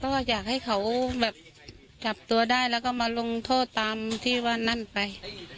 ก็อยากให้เขาแบบจับตัวได้แล้วก็มาลงโทษตามที่ว่านั่นไป